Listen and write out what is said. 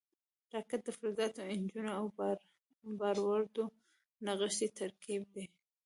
راکټ د فلزاتو، انجنونو او بارودو نغښتی ترکیب دی